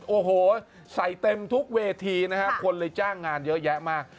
โอ้โหใส่เต็มทุกเวทีนะฮะคนเลยจ้างงานเยอะแยะมาก